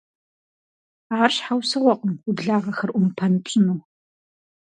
Ар щхьэусыгъуэкъым уи благъэхэр Ӏумпэм пщӀыну.